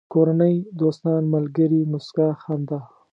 کورنۍ، دوستان، ملگري، موسکا، خندا